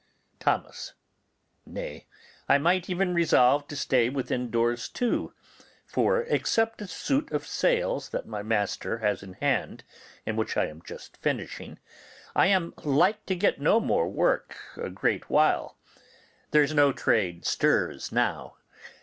Thomas. Nay, I might even resolve to stay within doors too, for, except a suit of sails that my master has in hand, and which I am just finishing, I am like to get no more work a great while. There's no trade stirs now.